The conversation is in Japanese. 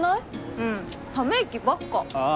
うんため息ばっかああ